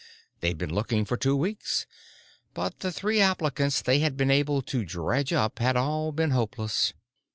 They'd been looking for two weeks, but the three applicants they had been able to dredge up had all been hopeless.